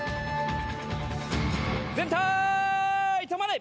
全体止まれ。